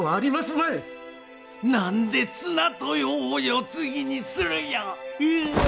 何で綱豊を世継ぎにするんや。